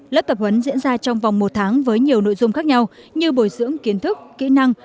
lớp tập huấn diễn ra trong vòng một tháng với nhiều nội dung khác nhau như bồi dưỡng kiến thức kỹ năng